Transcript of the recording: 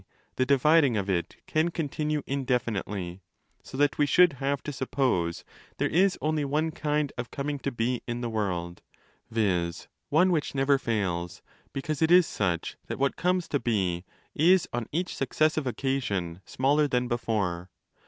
the dividing of it can continue indefinitely: so that we should have to sup pose there is only one kind of coming to be in the world— viz. one which never fails, because it is such that what comes to be is on each successive occasion smaller than before.